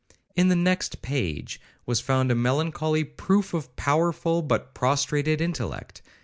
In the next page was found a melancholy proof of powerful but prostrated intellect.